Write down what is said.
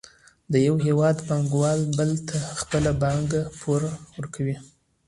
د یو هېواد پانګوال بل ته خپله پانګه پور ورکوي